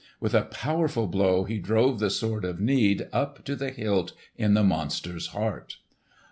With a powerful blow he drove the Sword of Need up to the hilt in the monster's heart.